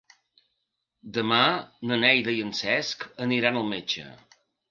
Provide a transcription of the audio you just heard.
Demà na Neida i en Cesc aniran al metge.